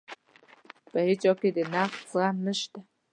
په هیچا کې د نقد زغم نشته.